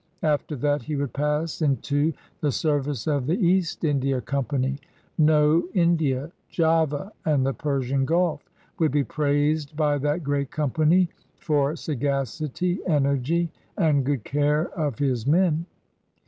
After that, he would pass in to the service of the East India Company, know India, Java, and the Persian Gulf; would be praised by that great company for sagacity, energy, and good care of his men.